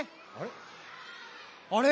あれ？